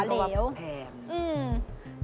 แต่อันนี้เป็นประวัติแพง